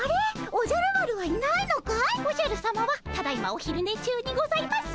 おじゃるさまはただいまおひるね中にございます。